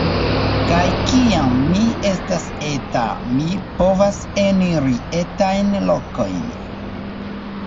Kaj kiam mi estas eta, mi povas eniri etajn lokojn.